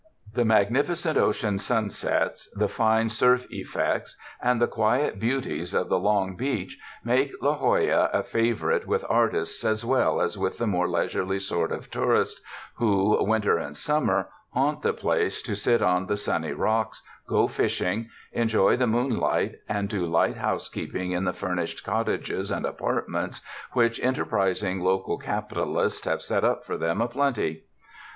The mag nificent ocean sunsets, the fine surf effects and the quiet beauties of the long beach, make La Jolla a favorite with artists as well as with the more leis urely sort of tourists who, winter and summer, haunt the place to sit on the sunny rocks, go fishing, enjoy the moonlight and do light housekeeping in the furnished cottages and apartments which enter prising local capitalists have set up for them a plenty.